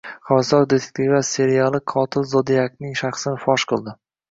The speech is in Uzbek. Havaskor detektivlar seriyali qotil Zodiakning shaxsini fosh qildi